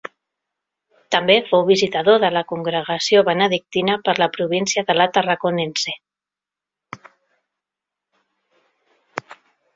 També fou visitador de la congregació benedictina per la província de la Tarraconense.